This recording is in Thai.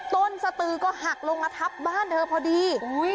สตือก็หักลงมาทับบ้านเธอพอดี